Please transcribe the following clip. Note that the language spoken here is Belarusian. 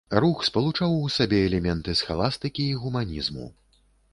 Рух спалучаў у сабе элементы схаластыкі і гуманізму.